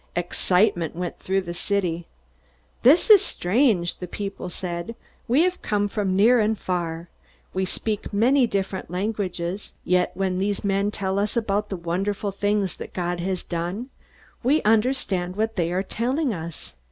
Excitement went through the city. "This is strange!" the people said. "We have come from near and far. We speak many different languages. Yet when these men tell us about the wonderful things that God has done, we understand what they are telling us.